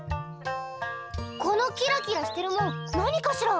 このキラキラしてるもん何かしら？